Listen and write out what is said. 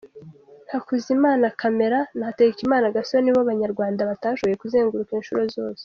Hakuzimana Camera na Hategeka Gasore nibo Banyarwanda batashoboye kuzenguruka inshuro zose.